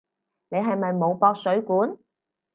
你係咪冇駁水管？